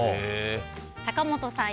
坂本さん